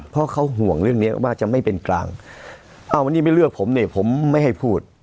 เพราะเขาห่วงเรื่องเนี้ยว่าจะไม่เป็นกลางอ้าววันนี้ไม่เลือกผมเนี่ยผมไม่ให้พูด